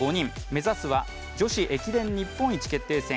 目指すは女子駅伝日本一決定戦